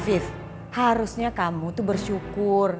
aviv harusnya kamu tuh bersyukur